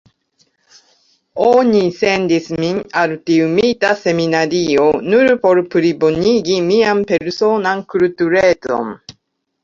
Oni sendis min al tiu mita seminario nur por plibonigi mian personan kulturecon.